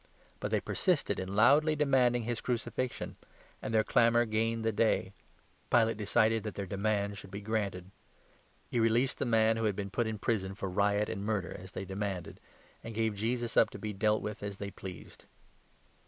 But they persisted in loudly demanding his crucifixion ; and their clamour gained the day. Pilate decided that their demand should be granted. He released the man who had been put in prison for riot and murder, as they demanded, and gave Jesus up to be dealt with as they pleased.